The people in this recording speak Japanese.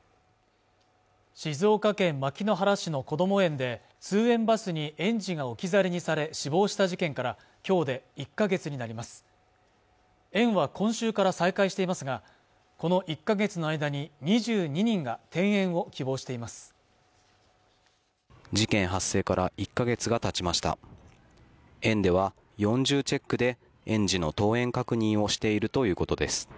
静岡県牧之原市のこども園で通園バスに園児が置き去りにされ死亡した事件からきょうで１か月になります園は今週から再開していますがこの１か月の間に２２人が転園を希望しています事件発生から１か月がたちました園では４重チェックで園児の登園確認をしているということです